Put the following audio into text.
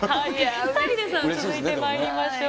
ヒデさん、続いてまいりましょう。